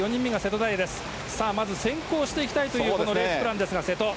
まず先行していきたいというレースプランですが、瀬戸。